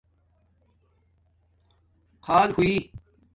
خآل ہوئ